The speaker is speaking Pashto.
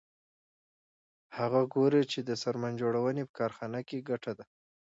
هغه ګوري چې د څرمن جوړونې په کارخانه کې ګټه ده